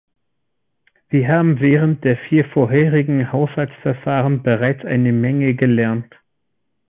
Wir haben während der vier vorherigen Haushaltsverfahren bereits eine Menge gelernt.